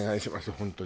本当に。